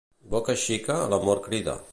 Boca xica l'amor crida.